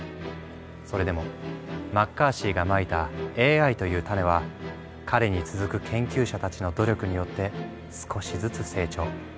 それでもマッカーシーがまいたＡＩという種は彼に続く研究者たちの努力によって少しずつ成長。